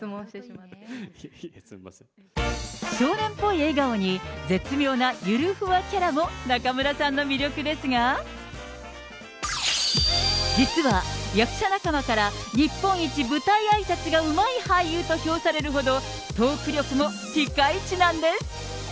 少年っぽい笑顔に、絶妙なゆるふわキャラも中村さんの魅力ですが、実は、役者仲間から、日本一舞台あいさつがうまい俳優と評されるほど、トーク力もぴかいちなんです。